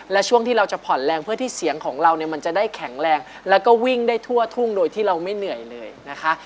และช่วงที่เราจะผ่อนแรงเพื่อที่เสียงของเราเนี่ยมันจะได้แข็งแรงแล้วก็วิ่งได้ทั่วทุ่งโดยที่เราไม่เหนื่อยเลยนะคะ